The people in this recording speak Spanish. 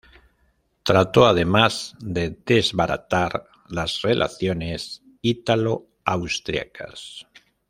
Trató además de desbaratar las relaciones italo-austriacas.